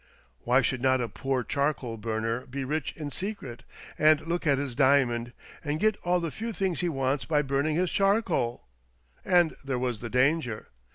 Why should not a poor charcoal burner be rich in secret, and look at his diamond, and get all the few things he wants by burning his charcoal ? And there was the danger.